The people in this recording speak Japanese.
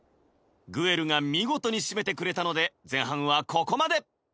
グエルが見事に締めてくれたので前半はここまで！